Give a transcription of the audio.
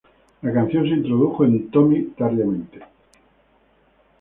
La canción se introdujo en Tommy tardíamente.